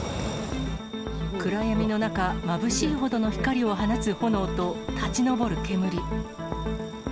暗闇の中、まぶしいほどの光を放つ炎と立ち上る煙。